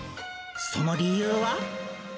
その理由は。